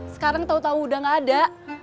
sekarang tau tau udah gak ada